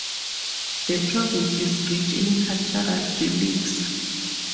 The province is rich in cultural relics.